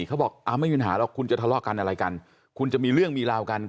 เขาบอกไม่มีปัญหาหรอกคุณจะทะเลาะกันอะไรกันคุณจะมีเรื่องมีราวกัน